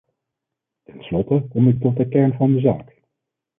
Tenslotte kom ik tot de kern van de zaak.